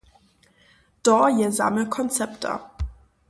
To je zaměr koncepta.